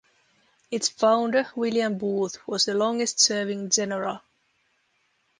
Its founder William Booth was the longest serving general.